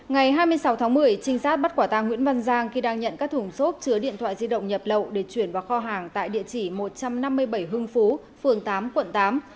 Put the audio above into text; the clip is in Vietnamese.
ngày hai mươi sáu tháng một mươi trinh sát bắt quả tàng nguyễn văn giang khi đang nhận các thủng xốp chứa điện thoại di động nhập lậu để chuyển vào kho hàng tại địa chỉ một trăm năm mươi bảy hưng phú phường tám quận tám